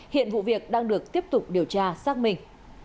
hiện vụ việc đang được tiếp tục điều tra xác minh